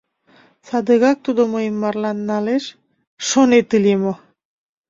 «Садыгак тудо мыйым марлан налеш» шонет ыле мо?..